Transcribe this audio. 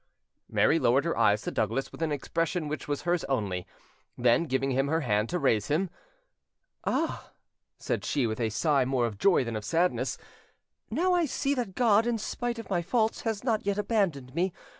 Mary lowered her eyes to Douglas with an expression which was hers only; then, giving him her hand to raise him— "Ah!" said she, with a sigh more of joy than of sadness, "now I see that God, in spite of my faults, has not yet abandoned me.